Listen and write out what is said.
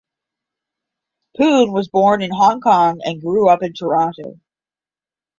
Poon was born in Hong Kong and grew up in Toronto.